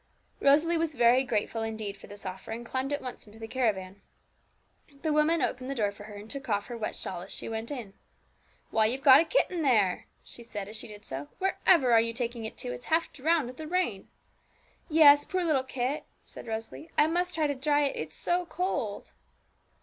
Rosalie was very grateful indeed for this offer, and climbed at once into the caravan. The woman opened the door for her, and took off her wet shawl as she went in. 'Why, you've got a kitten there!' she said as she did so. 'Wherever are you taking it to? it's half drowned with the rain.' 'Yes, poor little kit!' said Rosalie; 'I must try to dry it, it is so cold!'